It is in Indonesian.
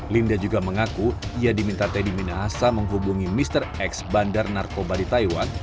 linda juga mengaku ia diminta teddy minahasa menghubungi mr x bandar narkoba di taiwan